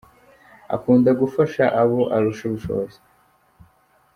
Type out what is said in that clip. Akunda gufasha abo arusha ubushobozi ;